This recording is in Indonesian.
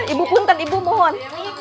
ibu punten ibu mohon